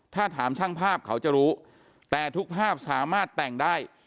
ถ้าถามช่างภาพเขาจะรู้แต่ทุกภาพสามารถแต่งได้